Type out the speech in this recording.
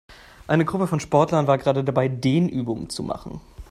Eine Gruppe von Sportlern war gerade dabei, Dehnübungen zu machen.